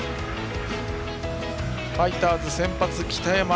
ファイターズ先発、北山。